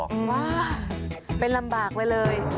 ว้าเป็นลำบากไปเลย